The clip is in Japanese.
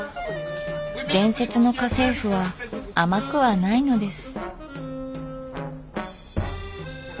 「伝説の家政婦」は甘くはないのです。